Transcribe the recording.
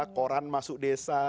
koran masuk desa